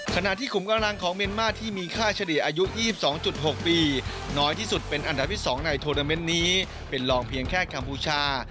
ขณะที่ขุมกำลังของเมียนมาร์ที่มีค่าเฉลี่ยอายุ๒๒๖ปีน้อยที่สุดเป็นอันดับที่๒ในโทรนาเมนต์นี้เป็นรองเพียงแค่กัมพูชา